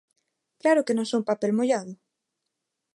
¡Claro que non son papel mollado!